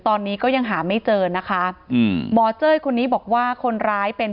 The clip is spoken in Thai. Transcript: ตอนนี้ก็ยังหาไม่เจอนะคะอืมหมอเจ้ยคนนี้บอกว่าคนร้ายเป็น